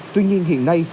tuy nhiên hiện nay